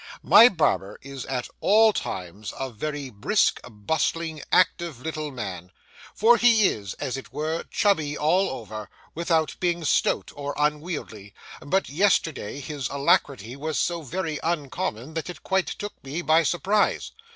My barber is at all times a very brisk, bustling, active little man,—for he is, as it were, chubby all over, without being stout or unwieldy,—but yesterday his alacrity was so very uncommon that it quite took me by surprise.